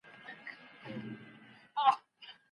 زکات د مال برکت او د زړه سکون دی.